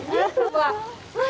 wah terima kasih